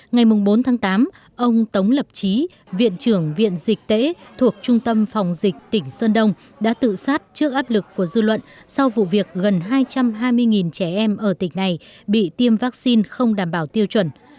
ngày bốn tháng tám ông tống lập trí viện trưởng viện dịch tễ thuộc trung tâm phòng dịch tỉnh sơn đông đã tự sát trước áp lực của dư luận sau vụ việc gần hai trăm hai mươi trẻ em ở tỉnh này bị tiêm vaccine không đảm bảo tiêu chuẩn